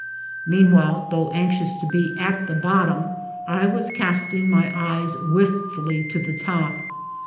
Meanwhile, though anx ious to. be at the bottom, I was casting my eyes wist fully to the top.